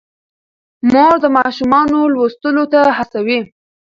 مور د ماشومانو لوستلو ته هڅوي.